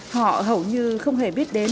họ hầu như không hề biết đến